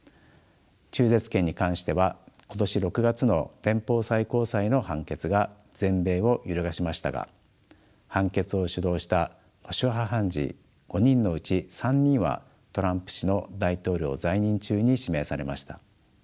中絶権に関しては今年６月の連邦最高裁の判決が全米を揺るがしましたが判決を主導した保守派判事５人のうち３人はトランプ氏の大統領在任中に指名されました。